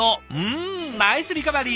んナイスリカバリー！